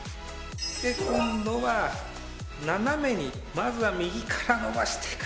で今度は斜めにまずは右から伸ばしていく。